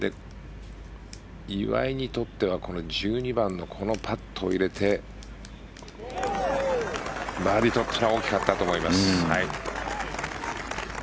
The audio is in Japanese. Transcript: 岩井にとっては１２番のこのパットを入れてバーディー取ったら大きかったと思います。